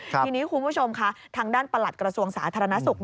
ทีนี้คุณผู้ชมค่ะทางด้านประหลัดกระทรวงสาธารณสุข